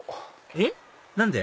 えっ？何で？